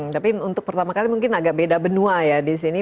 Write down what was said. tapi untuk pertama kali mungkin agak beda benua ya di sini